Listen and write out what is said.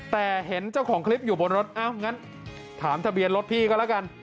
แต่เห็นเจ้าของคลิปอยู่บนรถอ้าวงั้นถามทะเบียนรถพี่ก็แล้วกัน